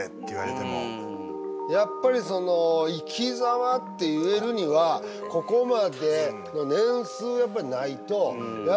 やっぱりその生きざまって言えるにはここまで年数やっぱりないとね？